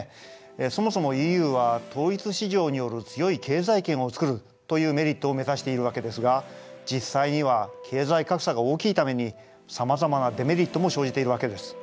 そもそもＥＵは統一市場による強い経済圏を作るというメリットを目指しているわけですが実際には経済格差が大きいためにさまざまなデメリットも生じているわけです。